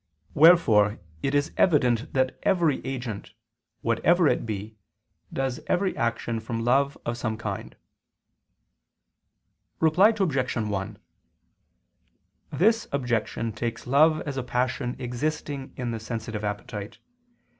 Wherefore it is evident that every agent, whatever it be, does every action from love of some kind. Reply Obj. 1: This objection takes love as a passion existing in the sensitive appetite.